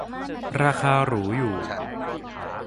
ราคาหรูอยู่